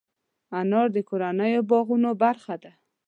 انار د کورنیو باغونو برخه ده.